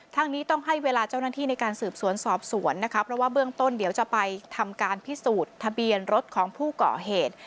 ทั้งนี้ต้องให้เวลาเจ้าหน้าที่ในการสืบสวนสอบสวนนะคะเพราะว่าเบื้องต้นเดี๋ยวจะไปทำการพิสูจน์ทะเบียนรถของผู้ก่อเหตุ